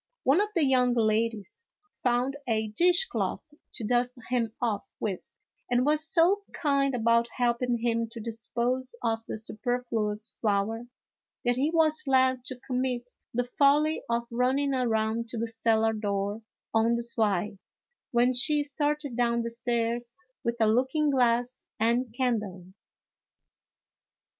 One of the young ladies found a dish cloth to dust him off with, and was so kind about helping him to dispose of the superfluous flour that he was led to commit the folly of running around to the cellar door on the sly, when she started down the stairs with a looking glass and candle.